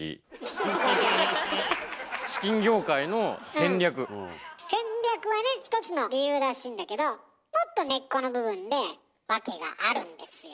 戦略はね一つの理由らしいんだけどもっと根っこの部分で訳があるんですよ。